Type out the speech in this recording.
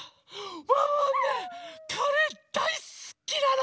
ワンワンねカレーだいすきなの！